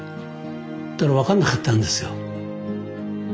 そしたら分かんなかったんですよ。